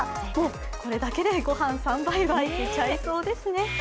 これだけで御飯３杯はいけちゃいそうですね。